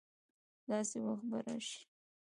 داسي وخت به راشي